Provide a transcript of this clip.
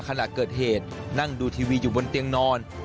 ขณะเกิดเหตุนั่งดูทีวีอยู่บนเตียงนอน